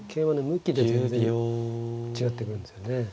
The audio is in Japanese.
向きで全然違ってくるんですよね。